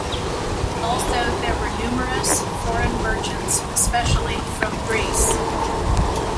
Also, there were numerous foreign merchants, especially from Greece.